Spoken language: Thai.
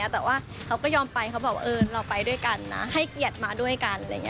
แต่ว่าเขาก็ยอมไปเราไปด้วยกันนะให้เกียรติมาด้วยกัน